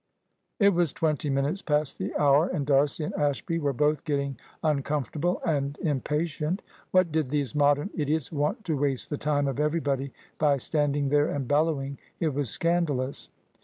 It was twenty minutes past the hour, and D'Arcy and Ashby were both getting uncomfortable and impatient. What did these Modern idiots want to waste the time of everybody by standing there and bellowing! It was scandalous.